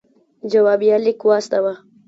جوابیه لیک واستاوه.